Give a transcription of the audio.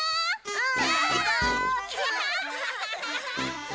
うん！